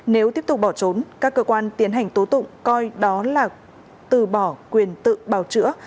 nếu tiếp tục bỏ trốn các cơ quan tiến hành tố tụng coi đó là từ bỏ quyền tự bào chữa